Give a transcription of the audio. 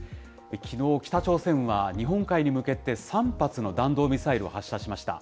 きのう、北朝鮮は日本海に向けて３発の弾道ミサイルを発射しました。